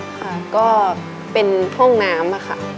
ค่ะก็เป็นห้องน้ำค่ะ